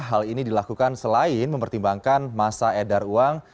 hal ini dilakukan selain mempertimbangkan masa edar uang